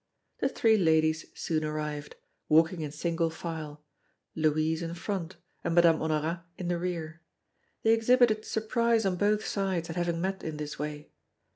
The three ladies soon arrived, walking in single file, Louise in front, and Madame Honorat in the rear. They exhibited surprise on both sides at having met in this way.